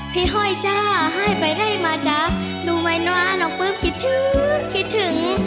พี่ห้อยจ้าให้ไปได้มาจ้ะหนูไม่นวานน้องปื้มคิดถึงคิดถึง